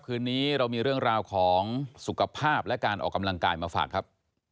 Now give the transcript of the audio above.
คืนนี้เรามีเรื่องราวของสุขภาพและการออกกำลังกายมาฝากครับ